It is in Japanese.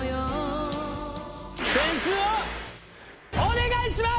点数をお願いします！